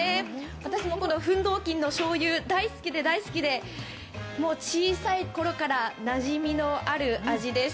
私もこのフンドーキンのしょうゆ、大好きで大好きで小さいころからなじみのある味です。